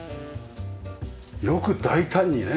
よく大胆にね